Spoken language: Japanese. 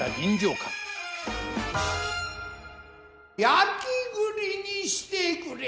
焼栗にしてくれい。